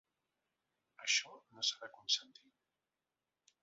Això no s’ha de consentir.